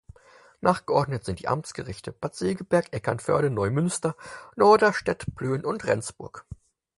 Nachgeordnet sind die Amtsgerichte Bad Segeberg, Eckernförde, Neumünster, Norderstedt, Plön und Rendsburg.